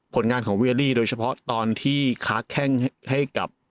ผลงานของเวียรี่โดยเฉพาะตอนที่ค้าแข้งให้กับ